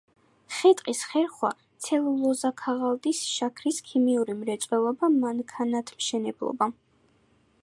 ხე-ტყის ხერხვა, ცელულოზა-ქაღალდის, შაქრის, ქიმიური მრეწველობა, მანქანათმშენებლობა.